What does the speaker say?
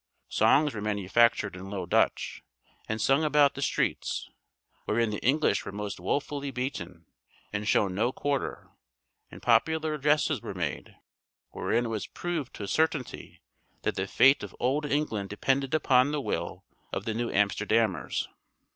Songs were manufactured in Low Dutch, and sung about the streets, wherein the English were most woefully beaten, and shown no quarter; and popular addresses were made, wherein it was proved to a certainty that the fate of Old England depended upon the will of the New Amsterdammers.